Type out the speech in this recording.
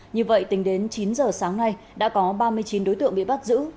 như vậy tính đến chín giờ sáng nay đã có ba mươi chín đối tượng bị bắt giữ